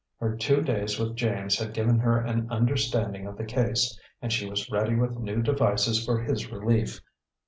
Her two days with James had given her an understanding of the case, and she was ready with new devices for his relief.